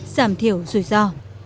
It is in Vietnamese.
giảm thiểu rủi ro